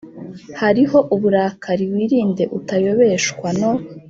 Hariho uburakari Wirinde utayobeshwa no